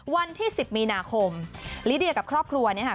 วันที่๑๐มีนาคมลิเดียกับครอบครัวเนี่ยค่ะ